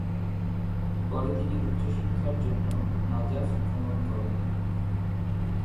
পরে তিনি উচ্চশিক্ষার জন্য নাজাফ ভ্রমণ করেন।